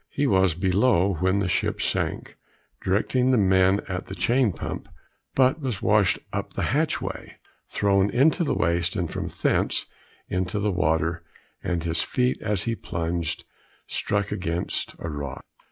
He was below when the ship sunk, directing the men at the chain pump, but was washed up the hatchway, thrown into the waist and from thence into the water, and his feet, as he plunged, struck against a rock.